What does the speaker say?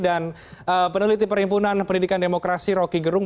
dan peneliti perhimpunan pendidikan demokrasi roki gerung